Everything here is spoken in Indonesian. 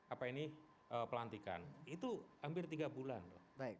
apa ini pelantikan itu hampir tiga bulan loh